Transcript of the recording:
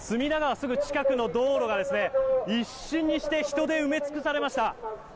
すぐ近くの道路が一瞬にして人で埋め尽くされました。